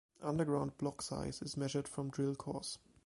Underground block size is measured from drill cores.